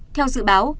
theo dự báo